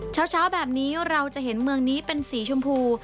เช้าแบบนี้เราจะเห็นเมืองนี้เป็นสีชมพู